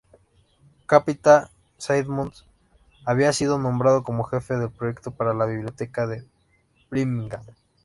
Capita Symonds había sido nombrado como jefe del proyecto para la Biblioteca de Birmingham.